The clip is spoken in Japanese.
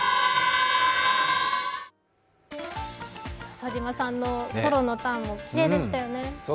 笹島さんのソロのターンもきれいでしたよね。